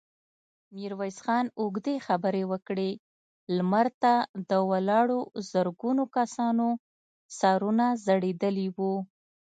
ميرويس خان اوږدې خبرې وکړې، لمر ته د ولاړو زرګونو کسانو سرونه ځړېدلي وو.